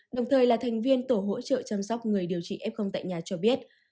đồng thời là thành viên tổ hỗ trợ chăm sóc người điều trị f tại nhà cho biết